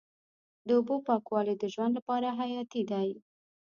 د اوبو پاکوالی د ژوند لپاره حیاتي دی.